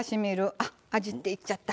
あっ「あじ」って言っちゃった。